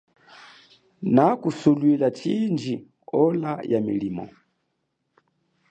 Na kusulwila chindji ola ya milimo.